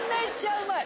うまい！